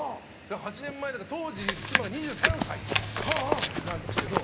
８年前だから当時妻２３歳とかなんですけど。